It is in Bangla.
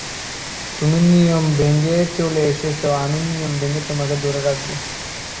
তুমি নিয়ম ভেঙে চলে এসেছ, আমি নিয়ম ভেঙে তোমাকে ধরে রাখব।